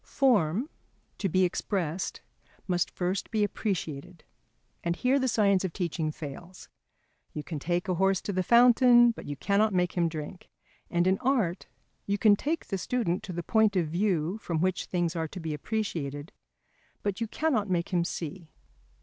Form to be expressed must first be appreciated. And here the science of teaching fails. "You can take a horse to the fountain, but you cannot make him drink," and in art you can take the student to the point of view from which things are to be appreciated, but you cannot make him see.